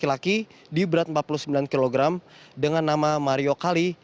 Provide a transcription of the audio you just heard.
yang berat empat puluh sembilan kg dengan nama mario kali